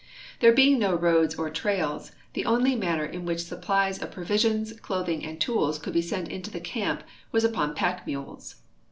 There being no roads or trails, the only manner in which su]Aplies of provisions, clothing, and tools could be sent into the camp Avas upon pack mules.